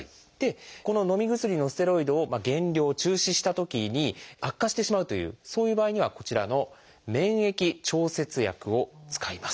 こののみ薬のステロイドを減量中止したときに悪化してしまうというそういう場合にはこちらの免疫調節薬を使います。